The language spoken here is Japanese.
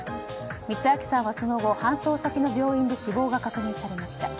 光昭さんはその後、搬送先の病院で死亡が確認されました。